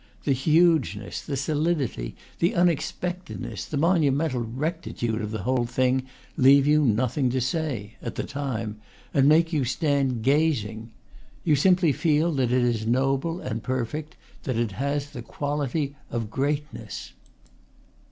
The hugeness, the soli dity, the unexpectedness, the monumental rectitude of the whole thing leave you nothing to say at the time and make you stand gazing. You simply feel that it is noble and perfect, that it has the quality of greatness.